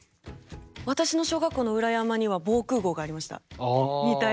私の小学校の裏山には防空ごうがありました。